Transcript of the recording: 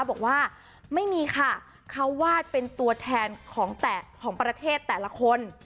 บอกว่าไม่มีค่ะเขาวาดเป็นตัวแทนของแต่ของประเทศแต่ละคน